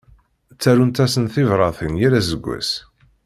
Ttarunt-asen tibratin yal aseggas.